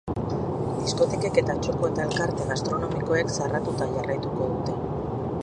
Diskotekek eta txoko eta elkarte gastronomikoek zarratuta jarraituko dute.